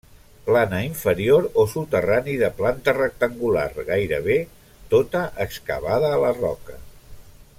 Plana inferior o soterrani de planta rectangular, gairebé tota excavada a la roca.